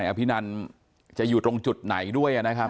วันนั้นพี่นนท์จะอยู่ตรงจุดไหนด้วยนะครับ